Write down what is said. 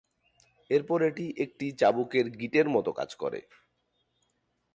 এরপর এটি একটি চাবুকের গিঁটের মত কাজ করে।